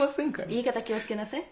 言い方気を付けなさい。